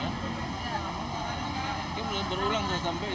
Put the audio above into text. udah saya berulang saya sampai